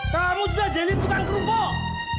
kamu sudah jahilin tukang kerupuk